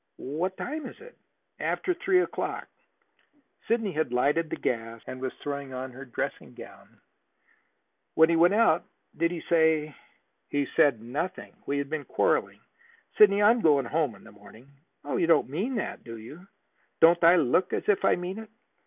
"What time is it?" "After three o'clock." Sidney had lighted the gas and was throwing on her dressing gown. "When he went out did he say " "He said nothing. We had been quarreling. Sidney, I am going home in the morning." "You don't mean that, do you?" "Don't I look as if I mean it?